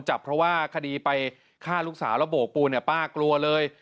จับเพราะว่าคดีไปฆ่าลูกสาวแล้วโบกปูนเนี่ยป้ากลัวเลย